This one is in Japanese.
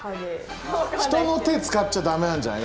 人の手使っちゃ駄目なんじゃない？